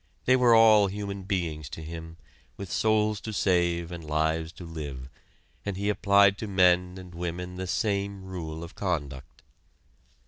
They were all human beings to Him, with souls to save and lives to live, and He applied to men and women the same rule of conduct.